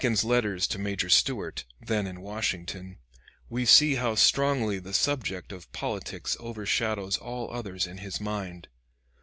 ] In Lincoln's letters to Major Stuart, then in Washington, we see how strongly the subject of politics overshadows all others in his mind.